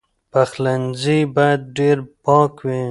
پخلنځی باید ډېر پاک وي.